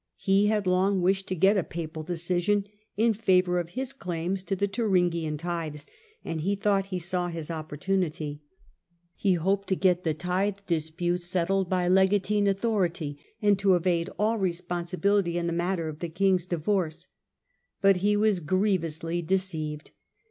oonnon of He had long wished to get a papal decision 1089 in favour of his claims to the Thuringian tithes, and he thought he saw his opportunity; he Digitized by VjOOQIC 74 HiLDEBRAND hoped to get the tithe dispute settled by legatine autho rity, and to evade all responsibility in the matter of the king's divorce. But he was grievously deceived.